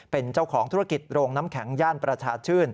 เป็นเจ้าของธุรกิจโรงน้ำแข็งย่านประชาชื่น